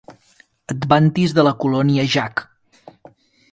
Et vantis de la colònia Jack.